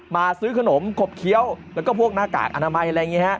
ซื้อขนมขบเคี้ยวแล้วก็พวกหน้ากากอนามัยอะไรอย่างนี้ฮะ